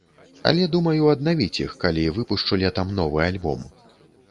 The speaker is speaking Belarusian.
Але думаю аднавіць іх, калі выпушчу летам новы альбом.